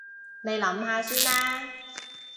你諗下先啦